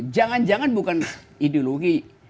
jangan jangan bukan ideologi